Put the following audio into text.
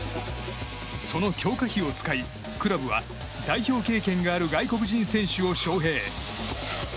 その強化費を使いクラブは代表経験がある外国人選手を招へい。